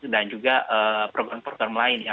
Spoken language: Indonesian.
dan juga program program lain